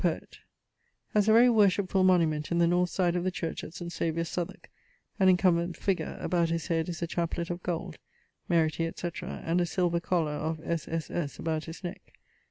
poet, has a very worshipfull monument in the north side of the church of St. Saviour's Southwarke; an incumbent figure: about his head is a chaplet of gold meriti, etc. and a silver collar of SSS about his neck.